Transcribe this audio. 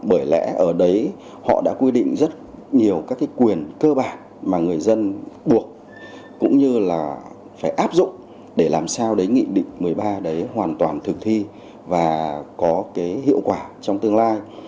bởi lẽ ở đấy họ đã quy định rất nhiều các cái quyền cơ bản mà người dân buộc cũng như là phải áp dụng để làm sao đấy nghị định một mươi ba đấy hoàn toàn thực thi và có cái hiệu quả trong tương lai